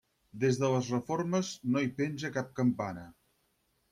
Des de les reformes no hi penja cap campana.